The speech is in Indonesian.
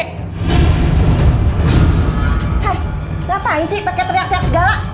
hai ngapain sih pakai teriak teriak segala